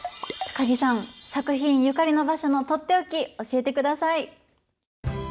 高木さん作品ゆかりの場所の取って置き教えてください！